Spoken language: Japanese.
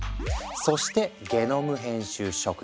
そしてゲノム編集食品。